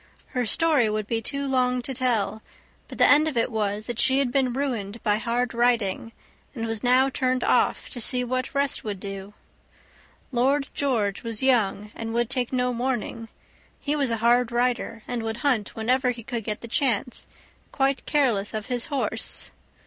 Her story would be too long to tell, but the end of it was that she had been ruined by hard riding, and was now turned off to see what rest would do. Lord George was young and would take no warning; he was a hard rider, and would hunt whenever he could get the chance, quite careless of his horse.